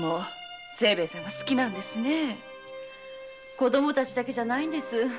子供達だけじゃないんです。